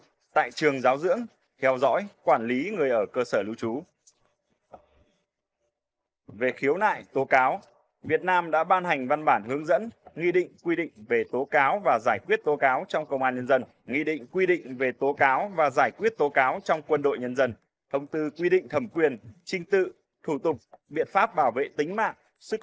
về thi hành án hình sự việt nam đã ban hành văn bản hướng dẫn quy định cơ sở dữ liệu về thi hành án hình sự tại cộng đồng quy định biểu mẫu sổ sách về công tác thi hành án phạt tù thi hành liệt pháp giáo dục